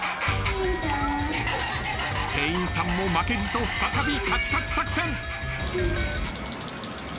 店員さんも負けじと再びカチカチ作戦。